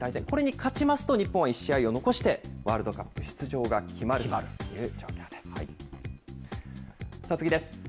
これに勝ちますと、日本は１試合を残して、ワールドカップ出場が決まる予定です。